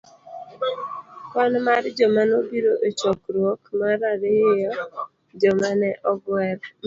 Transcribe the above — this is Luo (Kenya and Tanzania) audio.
Kwan mar joma nobiro e chokruok .mar ariyo Joma ne Ogwel